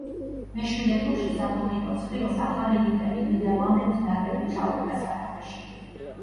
მეშვიდე ტურში სატურნირო ცხრილს ახალი ლიდერი, ნიდერლანდების ნაკრები, ჩაუდგა სათავეში.